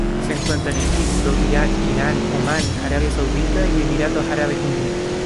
Se encuentra en Egipto Irak Irán Omán Arabia Saudita y Emiratos Árabes Unidos.